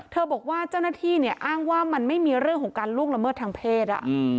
บอกว่าเจ้าหน้าที่เนี่ยอ้างว่ามันไม่มีเรื่องของการล่วงละเมิดทางเพศ